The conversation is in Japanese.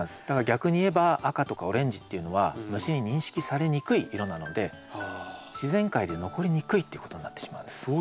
だから逆にいえば赤とかオレンジっていうのは虫に認識されにくい色なので自然界で残りにくいっていうことになってしまうんです。